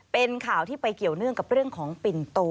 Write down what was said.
เป็นข่าวที่ไปเกี่ยวเนื่องกับเรื่องของปิ่นโต